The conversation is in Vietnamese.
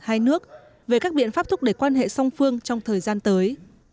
hai nước về các biện pháp thúc đẩy quan hệ song phương trong thời gian tới